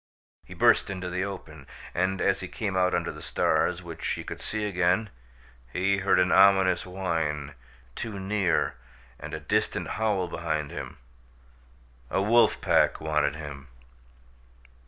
He burst into the open, and as he came out under the stars, which he could see again, he heard an ominous whine, too near, and a distant howl behind him. A wolf pack wanted him.